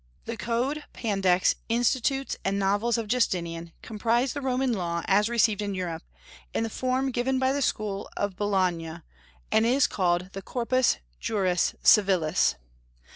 The Code, Pandects, Institutes, and Novels of Justinian comprise the Roman law as received in Europe, in the form given by the school of Bologna, and is called the "Corpus Juris Civilis."